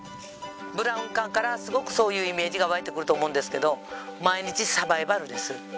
ブラウン管からすごくそういうイメージが湧いてくると思うんですけど。